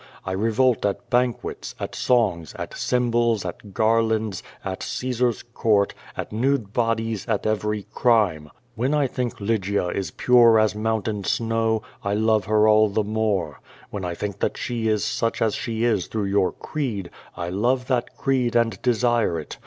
I revolt at banquets, at songs, at cymbals, at garlands, at Caesar's court, at nude bodies, at every crime. When I think Lygia is pure as moun tain snow, I love her all tlie more. Wlien I think that she is such as she is through your creed, I love tliat creed and desire it.